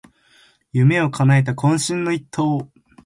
夢をかなえた懇親の一投